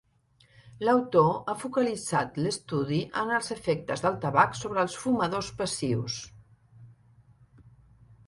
L'autor ha focalitzat l'estudi en els efectes del tabac sobre els fumadors passius.